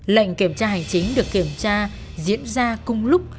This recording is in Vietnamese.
lệnh kiểm tra hành chính được kiểm tra diễn ra cùng lúc